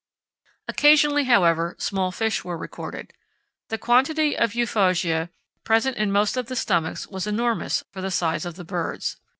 Occasionally, however, small fish were recorded. The quantity of Euphausiæ present in most of the stomachs was enormous for the size of the birds.